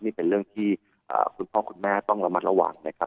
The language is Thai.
นี่เป็นเรื่องที่คุณพ่อคุณแม่ต้องระมัดระวังนะครับ